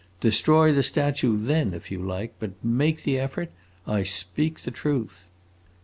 Destroy the statue then, if you like, but make the effort. I speak the truth!"